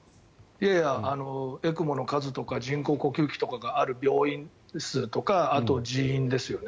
いや、ＥＣＭＯの数とか人工呼吸器がある病院数とかあと、人員ですよね。